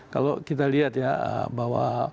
kalau kita lihat ya bahwa